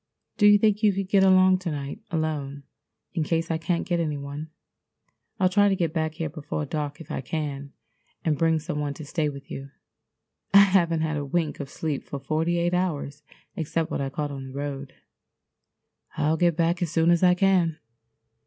Do you think you could get along to night alone in case I can't get any one? I'll try to get back here before dark if I can and bring some one to stay with you. I haven't had a wink of sleep for forty eight hours except what I caught on the road. I'll get back as soon as I can."